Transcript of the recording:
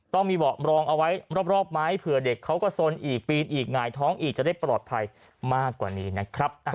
ต้องมีเบาะรองเอาไว้รอบไหมเผื่อเด็กเขาก็สนอีกปีนอีกหงายท้องอีกจะได้ปลอดภัยมากกว่านี้นะครับ